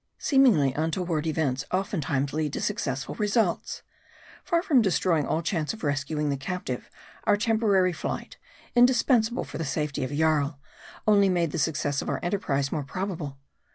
Seemingly untoward events oftentimes lead to successful results. Far from destroying all chance of rescuing the captive, our temporary flight, indispensable for the safety of Jarl, only made the success of our enterprise more probable.